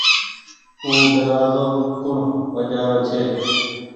او دروآزو ڪوڻ وجهآ رو ڇي۔